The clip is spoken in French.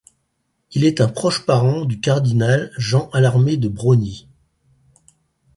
Il est un proche parent du cardinal Jean Allarmet de Brogny.